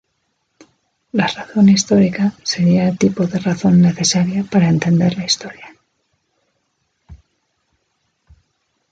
La razón histórica sería el tipo de razón necesaria para entender la historia.